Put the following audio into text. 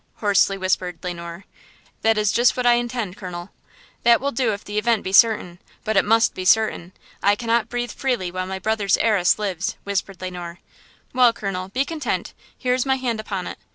hoarsely whispered Le Noir. "That is just what I intend, colonel!" "That will do if the event be certain: but it must be certain! I cannot breathe freely while my brother's heiress lives," whispered Le Noir. "Well, colonel, be content; here is my hand upon it!